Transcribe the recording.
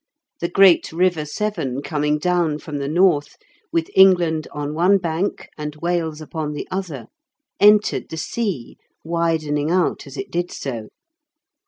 The great river Severn coming down from the north, with England on one bank and Wales upon the other, entered the sea, widening out as it did so.